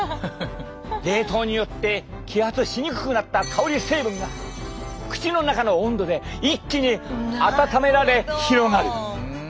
冷凍によって揮発しにくくなった香り成分が口の中の温度で一気にあたためられ広がる。